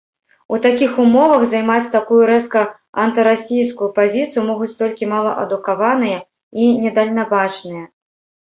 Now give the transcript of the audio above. У такіх умовах займаць такую рэзка антырасійскую пазіцыю могуць толькі малаадукаваныя і недальнабачныя.